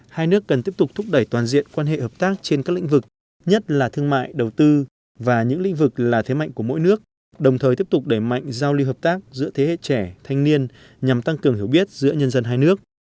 hai nước cần tiếp tục thúc đẩy toàn diện quan hệ hợp tác trên các lĩnh vực nhất là thương mại đầu tư và những lĩnh vực là thế mạnh của mỗi nước đồng thời tiếp tục đẩy mạnh giao lưu hợp tác giữa thế hệ trẻ thanh niên nhằm tăng cường hiểu biết giữa nhân dân hai nước